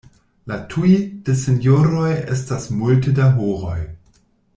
La "tuj" de sinjoroj estas multe da horoj.